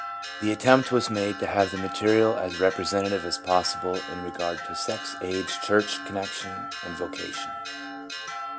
The attempt was made to have the material as representative as pos sible in regard to sex, age, church connection and voca tion.